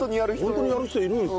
ホントにやる人いるんですね。